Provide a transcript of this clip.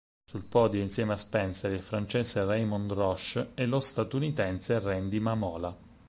Sul podio, insieme a Spencer, il francese Raymond Roche e lo statunitense Randy Mamola.